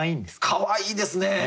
かわいいですね